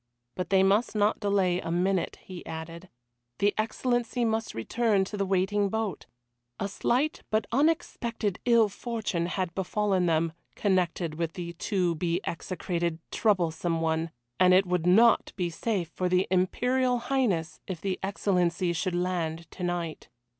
But they must not delay a minute, he added. The Excellency must return to the waiting boat! A slight but unexpected ill fortune had befallen them, connected with the to be execrated Troublesome one, and it would not be safe for the Imperial Highness if the Excellency should land tonight.